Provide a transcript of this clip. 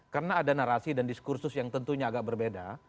karena ada narasi dan diskursus yang tentunya agak berbeda